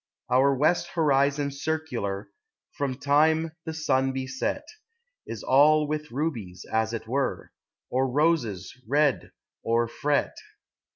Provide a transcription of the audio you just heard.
Our west horizon circular, From time the sun be set, Is all with rubies, as it were, Or roses red o'erfret.